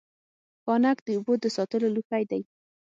ښانک د اوبو د ساتلو لوښی دی